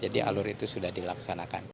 jadi alur itu sudah dilaksanakan